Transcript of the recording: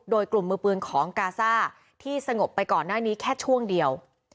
โดยกลุ่มมือปืนของกาซ่าที่สงบไปก่อนหน้านี้แค่ช่วงเดียว